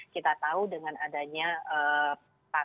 kita tahu dengan adanya